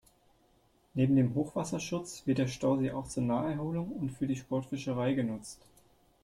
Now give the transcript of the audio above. Neben dem Hochwasserschutz wird der Stausee auch zur Naherholung und für die Sportfischerei genutzt.